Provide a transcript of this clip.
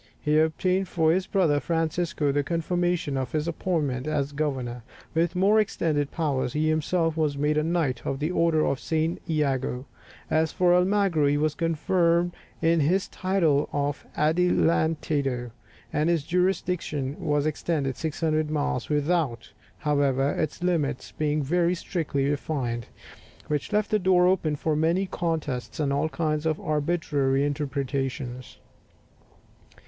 He obtained for his brother Francisco the confirmation of his appointment as governor, with more extended powers; he himself was made a knight of the order of St. Iago; as for Almagro, he was confirmed in his title of adelantado, and his jurisdiction was extended 600 miles, without, however, its limits being very strictly defined, which left the door open for many contests and all kinds of arbitrary interpretations.